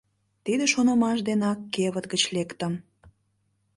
Тиде шонымаш денак кевыт гыч лектым.